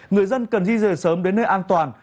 người dân cần di rời sớm đến nơi an toàn